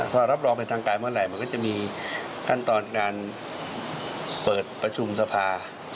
พอรับรองเป็นทางการเมื่อไหร่มันก็จะมีขั้นตอนการเปิดประชุมสภา